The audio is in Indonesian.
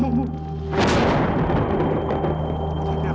tetapi aku masih tetap cinta padamu